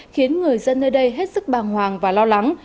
khiến người dân nơi đây hết sức bàng hoàng và lo lắng